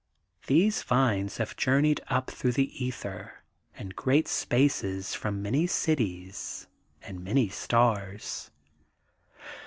These vines have journeyed up through the ether and great spaces from many cities and many stars.